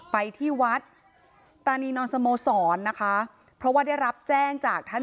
อไปที่วัดตานีนสโมสรนะคะ